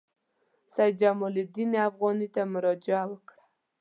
سید جمال الدین افغاني ته مراجعه وکړه.